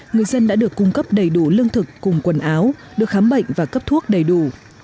người dân đã được cung cấp đầy đủ lương thực cùng quần áo được khám bệnh và cấp thuốc đầy đủ